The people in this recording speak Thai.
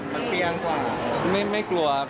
ไม่กลัวครับไม่กลัว